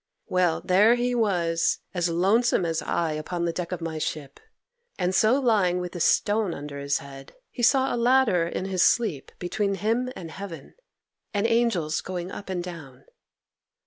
Well, there he was, as lonesome as I upon the deck of my ship; and so lying with this stone under his head, he saw a ladder in his sleep between him and heaven, and angels going up and down.